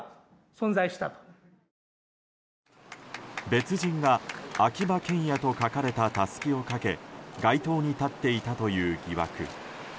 別人が秋葉賢也と書かれたタスキをかけ街頭に立っていたという疑惑。